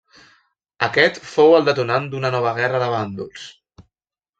Aquest fou el detonant d'una nova guerra de bàndols.